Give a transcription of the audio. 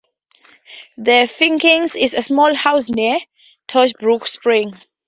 The Firkins is a small house near Thorsbrook Spring.